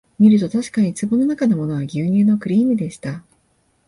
みるとたしかに壺のなかのものは牛乳のクリームでした